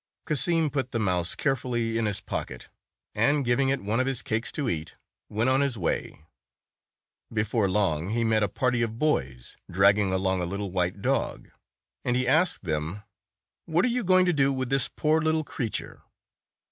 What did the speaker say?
Cassim put the mouse carefully in his pocket, and, giving it one of his cakes to eat, went on his way. Before long, he met a party of boys, dragging along a little white dog, and he asked them, "What are you going to do with this poor little creature?